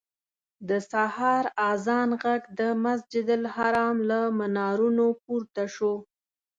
د سهار اذان غږ د مسجدالحرام له منارونو پورته شو.